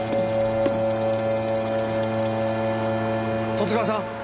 十津川さん！